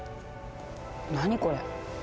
何これ？